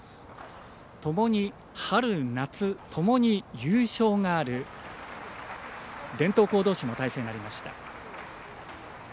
ともに、春夏ともに優勝がある伝統校どうしの対戦になりました。